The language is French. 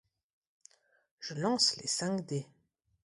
Je lance les cinq dés.